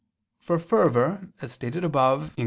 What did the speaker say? For fervor, as stated above (Q.